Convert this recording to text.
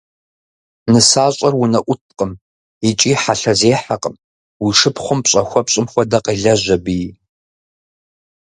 Нысащӏэр унэӏуткъым, икӏи хьэлъэзехьэкъым, уи шыпхъум пщӏэ хуэпщӏым хуэдэ къелэжь абыи.